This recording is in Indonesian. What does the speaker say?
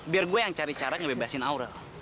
biar gue yang cari cara ngebebasin aurel